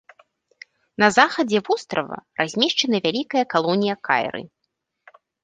На захадзе вострава размешчана вялікая калонія кайры.